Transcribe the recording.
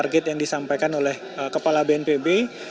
jadi target yang disampaikan oleh kepala bnpb